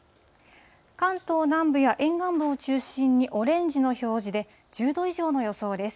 関東南部や沿岸部を中心にオレンジの表示で、１０度以上の予想です。